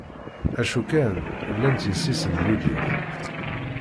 Acu kan, llant yessi-s n Lilit.